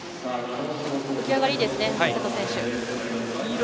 浮き上がりいいですね瀬戸選手。